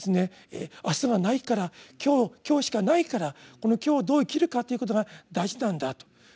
明日がないから今日今日しかないからこの今日をどう生きるかということが大事なんだと。